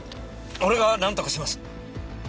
俺が何とかします。